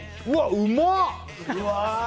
うまっ！